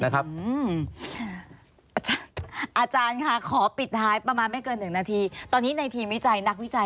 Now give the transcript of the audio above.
สภาพจิตใจ